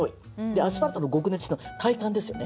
「アスファルトの極熱」ってのは体感ですよね。